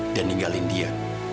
dan ninggalin dia